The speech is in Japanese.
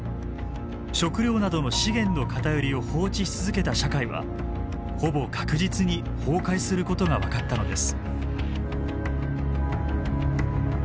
食料などの資源の偏りを放置し続けた社会はほぼ確実に崩壊することが分かったのです。